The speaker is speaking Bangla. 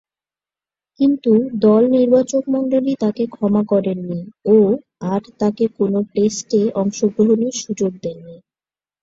কিন্তু, দল নির্বাচকমণ্ডলী তাকে ক্ষমা করেননি ও আর তাকে কোন টেস্টে অংশগ্রহণের সুযোগ দেননি।